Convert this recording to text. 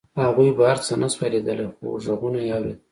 هغوی بهر څه نشوای لیدلی خو غږونه یې اورېدل